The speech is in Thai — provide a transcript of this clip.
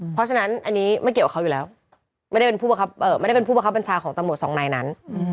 เพราะฉะนั้นอันนี้ไม่เกี่ยวกับเขาอยู่แล้วไม่ได้เป็นผู้บังคับบัญชาของตำรวจสองนายนั้น